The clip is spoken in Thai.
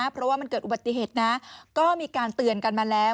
เพราะว่ามันเกิดอุบัติเหตุนะก็มีการเตือนกันมาแล้ว